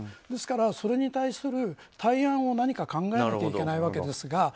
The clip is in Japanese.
ですから、それに対する対案を何か考えないといけないですが。